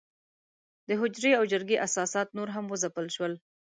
د حجرې او جرګې اساسات نور هم وځپل شول.